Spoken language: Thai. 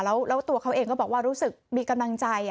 แล้วตัวเขาเองก็บอกว่ารู้สึกมีกำลังใจ